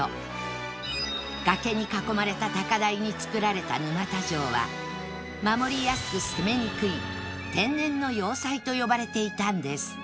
崖に囲まれた高台に造られた沼田城は守りやすく攻めにくい天然の要塞と呼ばれていたんです